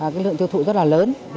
cái lượng tiêu thụ rất là lớn